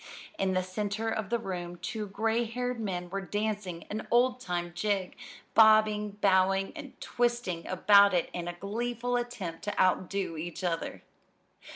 In the center of the room two gray haired men were dancing an old time jig, bobbing, bowing, and twisting about in a gleeful attempt to outdo each other.